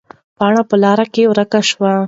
پاڼه په لارو کې ورکه شوه.